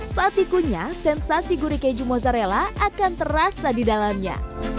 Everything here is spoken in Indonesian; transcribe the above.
saat ikunya sensasi gurih keju mozzarella akan terasa di dalamnya